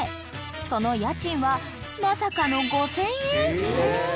［その家賃はまさかの５，０００円］